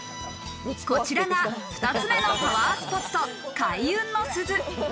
こちらが２つ目のパワースポット、開運の鈴。